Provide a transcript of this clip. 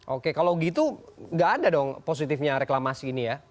oke kalau gitu nggak ada dong positifnya reklamasi ini ya